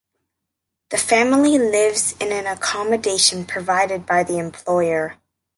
The family lives in an accommodation provided by the employer.